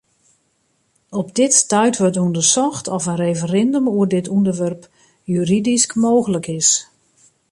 Op dit stuit wurdt ûndersocht oft in referindum oer dit ûnderwerp juridysk mooglik is.